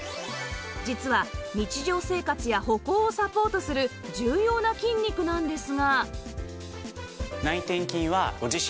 実は日常生活や歩行をサポートする重要な筋肉なんですが